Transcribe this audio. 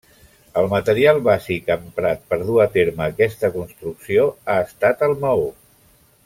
El material bàsic emprat per dur a terme aquesta construcció ha estat el maó.